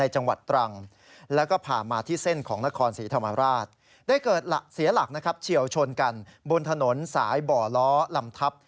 เจาะชนกันบนถนนสายบ่อล้อลำทับ